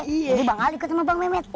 jadi bang a ikut sama bang mehmet